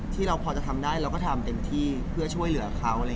ที่เราพอจะทำได้เราก็ทำเต็มที่เพื่อช่วยเหลือเขา